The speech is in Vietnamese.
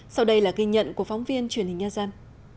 sau đây là ghi nhận của phóng viên truyền hình nhân dân